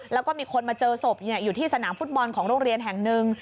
แล้วก็มีคนมาเจอศพอยู่ที่สนามฟุตบอลของโรงเรียนแห่งหนึ่ง